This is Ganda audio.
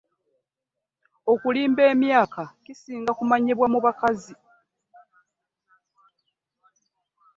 Okulimba emyaka kisinga kumanyibwa mu bakazi.